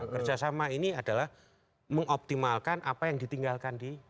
kerjasama ini adalah mengoptimalkan apa yang ditinggalkan di